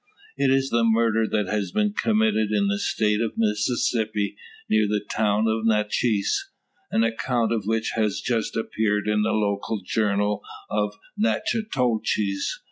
It is a murder that has been committed in the State of Mississippi, near the town of Natchez; an account of which has just appeared in the local journal of Natchitoches.